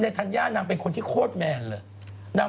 ให้สามมีนี่ไปนี่แรกมีนอนโอ้ย